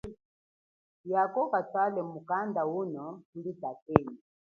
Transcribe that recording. Yako ukatwale mukanda uno kuli tatenu.